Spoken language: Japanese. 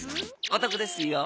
お得ですよ。